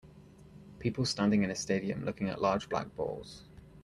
people standing in a stadium looking at large black balls.